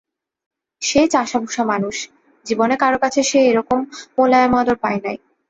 সে চাষাভুষা মানুষ, জীবনে কারো কাছে সে এমন মোলায়েম আদর পায় নাই।